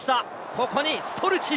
ここにストルチ。